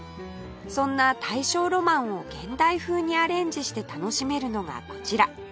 そんな大正浪漫を現代風にアレンジして楽しめるのがこちら